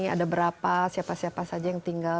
ada berapa siapa siapa saja yang tinggal